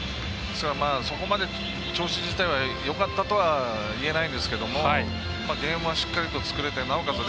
そこまで調子自体はよかったとはいえないんですけどゲームはしっかりと作れてなおかつ